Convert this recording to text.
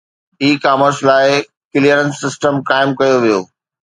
اي commerce لاءِ clearance system قائم ڪيو ويو